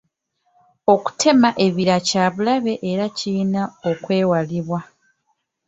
Okutema ebibira kya bulabe era kirina okwewalibwa.